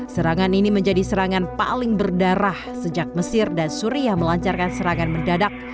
serangan ini menjadi serangan paling berdarah sejak mesir dan suriah melancarkan serangan mendadak